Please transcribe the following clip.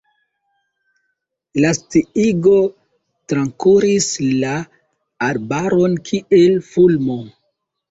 La sciigo trakuris la arbaron kiel fulmo.